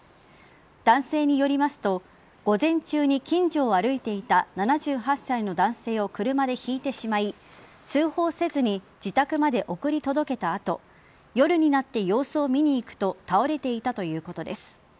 男性によりますと午前中に近所を歩いていた７８歳の男性を車でひいてしまい通報せずに自宅まで送り届けた後夜になって様子を見に行くと倒れていたということです。